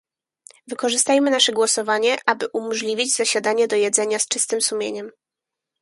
Wykorzystajmy nasze głosowanie, aby umożliwić zasiadanie do jedzenia z czystym sumieniem